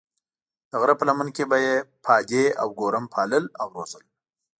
د غره په لمن کې به یې پادې او ګورم پالل او روزل.